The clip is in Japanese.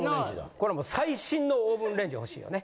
これもう最新のオーブンレンジ欲しいよね。